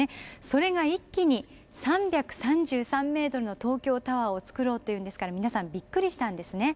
それが一気に３３３ｍの東京タワーを造ろうというんですから皆さんびっくりしたんですね。